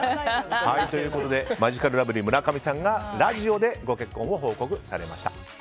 マヂカルラブリー村上さんがラジオでご結婚を報告されました。